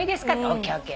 「ＯＫＯＫ。